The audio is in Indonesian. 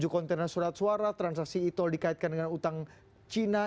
tujuh konten surat suara transaksi itol dikaitkan dengan utang cina